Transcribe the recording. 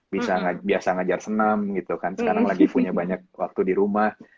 bisa biasa ngajar senam gitu kan sekarang lagi punya banyak waktu di rumah